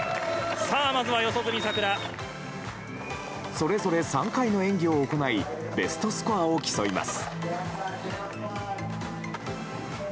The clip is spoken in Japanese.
それぞれ３回の演技を行いベストスコアを競います。